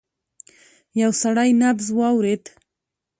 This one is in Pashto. يو سړی نبض واورېد.